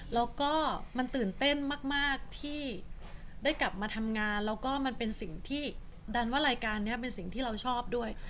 แล้วก็มันตื่นเต้นมากที่ได้กลับมาทำงานแล้วก็มันเป็นสิ่งที่ดันว่ารายการนี้เป็นสิ่งที่เราชอบด้วย